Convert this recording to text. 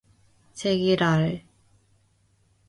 제기랄!